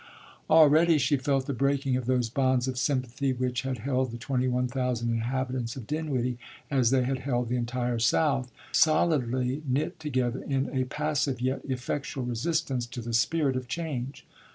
Already she felt the breaking of those bonds of sympathy which had held the twenty one thousand inhabitants of Dinwiddie, as they had held the entire South, solidly knit together in a passive yet effectual resistance to the spirit of change.